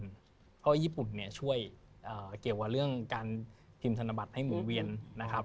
เพราะว่าญี่ปุ่นเนี่ยช่วยเกี่ยวกับเรื่องการพิมพ์ธนบัตรให้หมุนเวียนนะครับ